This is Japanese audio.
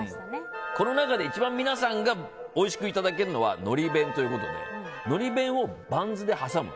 この中で皆さんが一番おいしくいただけるのはのり弁ということでのり弁をバンズで挟む。